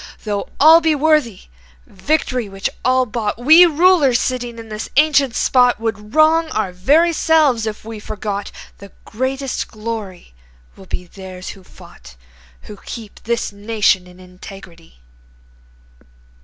Though all be worthy Victory which all bought, We rulers sitting in this ancient spot Would wrong our very selves if we forgot The greatest glory will be theirs who fought, Who kept this nation in integrity."